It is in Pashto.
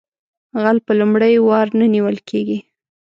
غل په لومړي وار نه نیول کیږي